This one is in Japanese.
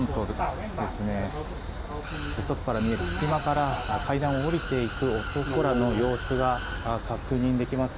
外から見える隙間から階段を下りていく男らの様子が確認できます。